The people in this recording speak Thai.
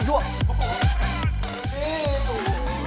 ร่อมตายก่อนพำวาวะ